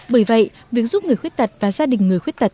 bởi vậy việc giúp người khuyết tật và gia đình người khuyết tật